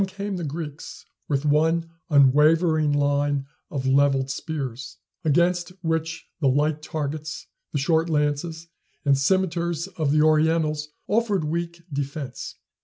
On came the Greeks, with one unwavering line of leveled spears, against which the light targets, the short lances and cimeters of the Orientals offered weak defence.